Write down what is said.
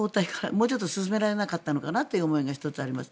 もうちょっと進められなかったのかなという思いが１つあります。